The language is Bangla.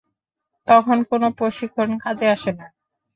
তখন কোন প্রশিক্ষণ কাজে আসে না।